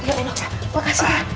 ya allah makasih ya